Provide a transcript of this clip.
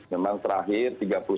memang terakhir tiga puluh sembilan